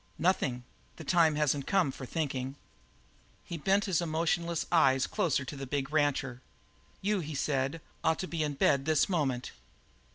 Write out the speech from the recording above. "Nothing. The time hasn't come for thinking." He bent his emotionless eye closer on the big rancher. "You," he said, "ought to be in bed this moment."